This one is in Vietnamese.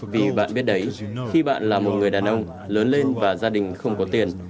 vì bạn biết đấy khi bạn là một người đàn ông lớn lên và gia đình không có tiền